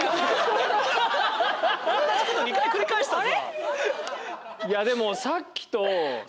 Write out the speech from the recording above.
同じこと２回繰り返したぞ。